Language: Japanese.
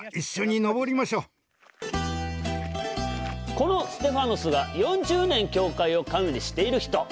このステファノスが４０年教会を管理している人。